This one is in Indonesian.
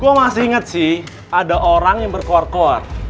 gue masih ingat sih ada orang yang berkuar kuar